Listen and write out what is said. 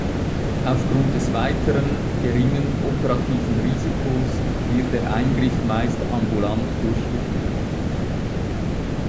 Aufgrund des weiteren geringen operativen Risikos wird der Eingriff meist ambulant durchgeführt.